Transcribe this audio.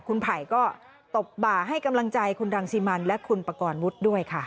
คุณภัยก็ตบบ่าให้กำลังใจคุณดังซีมันและคุณปกรมุทธ์ด้วยค่ะ